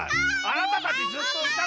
あなたたちずっといた。